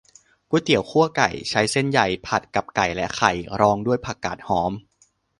ก๋วยเตี๋ยวคั่วไก่ ใช้เส้นใหญ่ ผัดกับไก่และไข่ รองด้วยผักกาดหอม